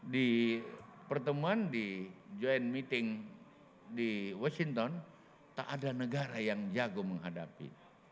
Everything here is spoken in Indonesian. di pertemuan di joint meeting di washington tak ada negara yang jago menghadapi